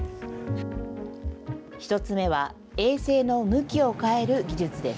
１つ目は、衛星の向きを変える技術です。